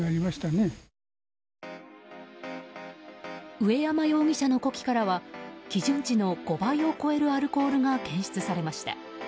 上山容疑者の呼気からは基準値の５倍を超えるアルコールが検出されました。